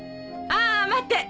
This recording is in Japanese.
あ待って！